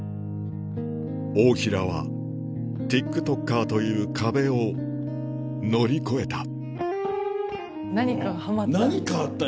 大平はＴｉｋＴｏｋｅｒという壁を乗り越えた何かがはまった。